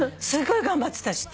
すごい頑張ってた。